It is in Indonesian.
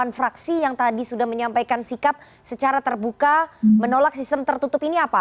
jadi delapan fraksi yang tadi sudah menyampaikan sikap secara terbuka menolak sistem tertutup ini apa